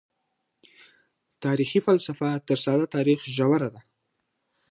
تاريخي فلسفه تر ساده تاريخ ژوره ده.